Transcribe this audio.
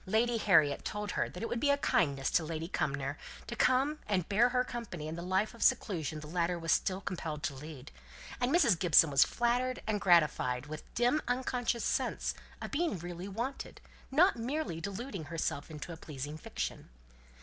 Lady Harriet told her that it would be a kindness to Lady Cumnor to come and bear her company in the life of seclusion the latter was still compelled to lead; and Mrs. Gibson was flattered and gratified with a dim unconscious sense of being really wanted, not merely deluding herself into a pleasing fiction.